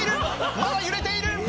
まだ揺れている！